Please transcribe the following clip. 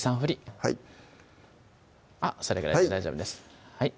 はいあっそれぐらいで大丈夫です